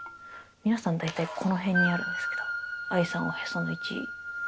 皆さん大体この辺にあるんですけど愛さんはおへその位置。